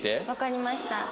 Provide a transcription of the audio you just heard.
わかりました。